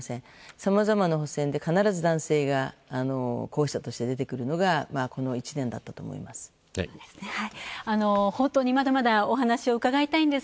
さまざまな補選で必ず男性が候補者として出てくるのがこの１年だったと思います。